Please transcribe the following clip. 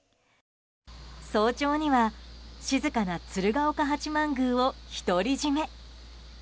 早朝には静かな鶴岡八幡宮を独り占め。